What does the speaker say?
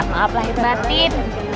maaf lah ibatin